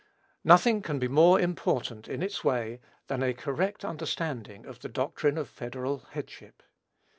Nothing can be more important, in its way, than a correct understanding of the doctrine of federal headship.